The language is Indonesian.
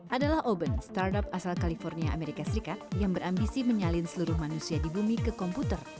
adalah oben startup asal california amerika serikat yang berambisi menyalin seluruh manusia di bumi ke komputer